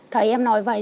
thấy em nói vậy